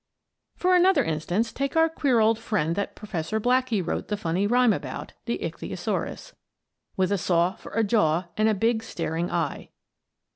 For another instance, take our queer old friend that Professor Blackie wrote the funny rhyme about the Ichthyosaurus "with a saw for a jaw and a big staring eye."